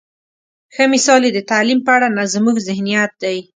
ښه مثال یې د تعلیم په اړه زموږ ذهنیت دی.